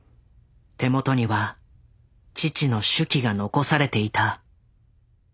手元には父の手記が残されていた。